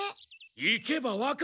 行けばわかる。